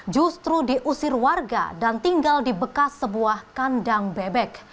justru diusir warga dan tinggal di bekas sebuah kandang bebek